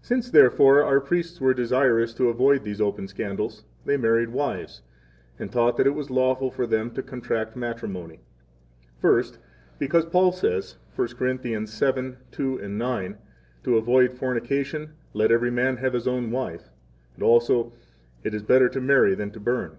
3 Since, therefore, our priests were desirous to avoid these open scandals, they married wives, and taught that it was lawful for them to contract matrimony. First, because 4 Paul says, 1 Cor. 7:2,9: To avoid fornication, let every man have his own wife. Also: It is better to marry than to burn.